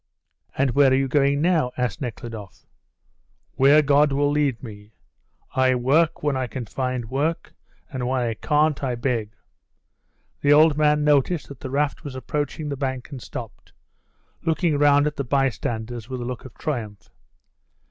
"And where are you going now?" asked Nekhludoff. "Where God will lead me. I work when I can find work, and when I can't I beg." The old man noticed that the raft was approaching the bank and stopped, looking round at the bystanders with a look of triumph.